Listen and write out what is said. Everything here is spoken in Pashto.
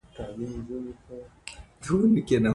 تعلیم نجونو ته د ونو کینول ور زده کوي.